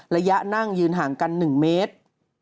นั่งยืนห่างกัน๑เมตร